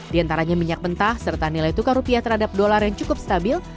di antaranya minyak mentah serta nilai tukar rupiah terhadap dolar yang cukup stabil